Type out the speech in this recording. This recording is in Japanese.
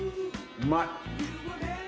うまい。